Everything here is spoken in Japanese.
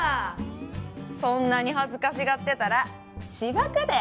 そんなに恥ずかしがってたらしばくで！